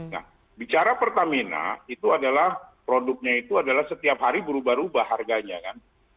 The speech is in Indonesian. nah bicara pertamina itu adalah produknya itu adalah setiap hari berubah ubah harganya kan